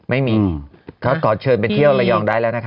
ไม่มีก็ขอเชิญไปเที่ยวระยองได้แล้วนะคะ